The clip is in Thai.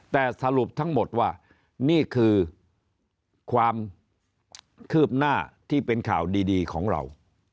แต่สรุปทั้งหมดว่านี่คือความคืบหน้าที่เป็นข่าวดีของเรา